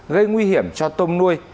gây nguy hiểm cho tôm nuôi